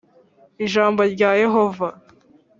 Ijambo rya Yehova